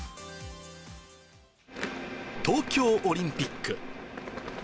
東京オリンピック。